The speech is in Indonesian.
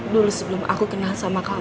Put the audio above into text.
dulu sebelum aku kenal sama kamu